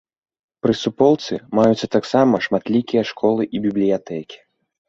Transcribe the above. Пры суполцы маюцца таксама шматлікія школы і бібліятэкі.